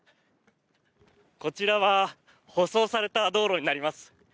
こちらは舗装された道路になります。